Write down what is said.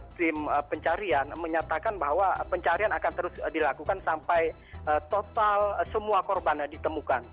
tim pencarian menyatakan bahwa pencarian akan terus dilakukan sampai total semua korban ditemukan